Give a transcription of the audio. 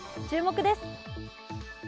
注目です。